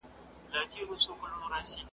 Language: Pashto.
حیوانان ورته راتلل له نیژدې لیري ,